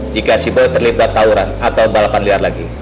jika si boy terlibat lauran atau balapan liar lagi